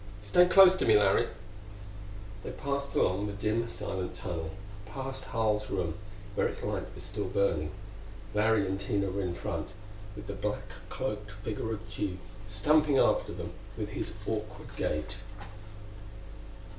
Stay close to me, Larry." They passed along the dim, silent tunnel; passed Harl's room, where its light was still burning. Larry and Tina were in front, with the black cloaked figure of Tugh stumping after them with his awkward gait.